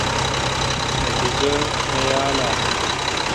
نتجہ نہ یال اؘ۔